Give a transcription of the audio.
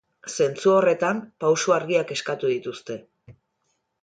Zentzu horretan pausu argiak eskatu dituzte.